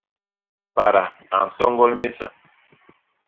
Pada a nsoñgol mésa.